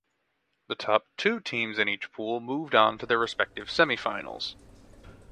The top two teams in each pool moved on to their respective semifinals.